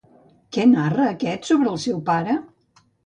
Què narra aquest sobre el seu pare?